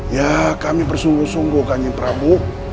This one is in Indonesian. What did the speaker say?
ya kami bersungguh sungguh kanjeng prabu